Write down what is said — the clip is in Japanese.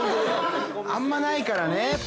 ◆あんまないからね。